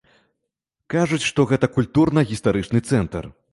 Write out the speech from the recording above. Кажуць, што гэта культурна-гістарычны цэнтр.